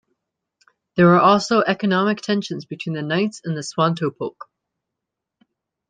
There were also economic tensions between the Knights and Swantopolk.